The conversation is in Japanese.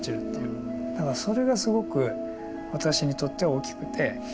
だからそれがすごく私にとっては大きくて。